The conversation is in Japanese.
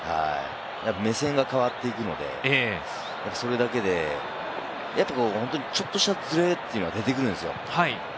目線が変わっていくので、それだけで、ちょっとしたズレというのが出てくるんですよ。